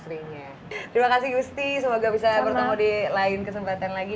terima kasih gusti semoga bisa bertemu di lain kesempatan lagi